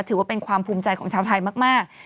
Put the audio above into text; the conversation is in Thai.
ถือว่าเป็นความภูมิใจของชาวไทยมาก